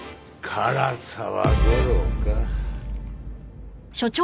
唐沢吾郎か。